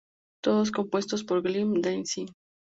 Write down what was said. Todos compuestos por Glenn Danzig.